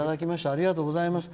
ありがとうございます。